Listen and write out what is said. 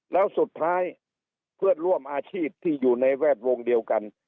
แล้วสุดท้ายเพื่อนร่วมอาชีพที่อยู่ในแวดวงเดียวกัน